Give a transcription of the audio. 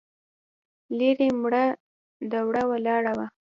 ليرې مړه دوړه ولاړه وه.